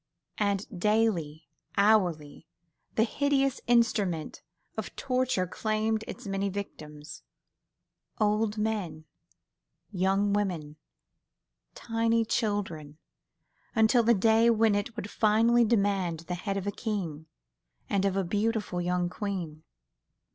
And daily, hourly, the hideous instrument of torture claimed its many victims—old men, young women, tiny children, even until the day when it would finally demand the head of a King and of a beautiful young Queen.